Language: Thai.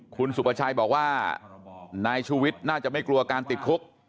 คุณสุประชัยบอกว่านายชูวิทย์น่าจะไม่กลัวการติดคุก